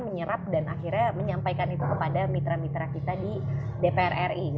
menyerap dan akhirnya menyampaikan itu kepada mitra mitra kita di dpr ri